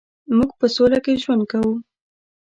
مونږ په سوله کې ژوند کوو